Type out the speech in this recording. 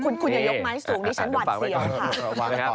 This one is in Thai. อย่ายกไม้สูงคุณหนิฉันหวัดเสียข้าว